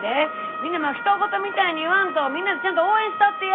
みんなもひと事みたいに言わんとみんなでちゃんと応援したってや。